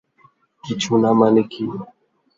কিছুনা মানে কী?